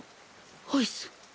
アイス。